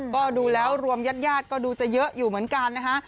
ก็ดูแล้วรวมญาติก็ดูจะเยอะอยู่เหมือนกันนะคะ